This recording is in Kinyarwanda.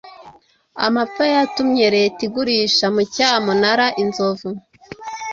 Amapfa yatumye Leta igurisha mu cyamunara inzovu